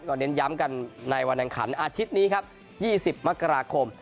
กล่าวเน้นย้ำกันในวันหนังขันอาทิตย์นี้ครับยี่สิบมกราคม